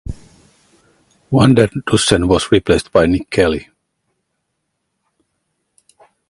Van der Dussen was replaced by Nick Kelly.